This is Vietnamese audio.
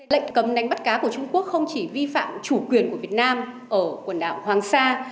lệnh cấm đánh bắt cá của trung quốc không chỉ vi phạm chủ quyền của việt nam ở quần đảo hoàng sa